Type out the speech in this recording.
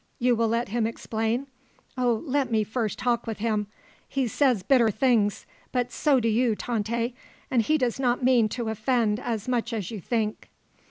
You will let him explain? Oh, let me first talk with him! He says bitter things, but so do you, Tante; and he does not mean to offend as much as you think."